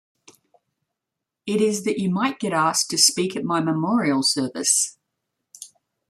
It is that you might get asked to speak at my memorial service'.